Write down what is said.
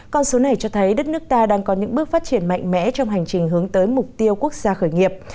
con số này cho thấy đất nước ta đang có những bước phát triển mạnh mẽ trong hành trình hướng tới mục tiêu quốc gia khởi nghiệp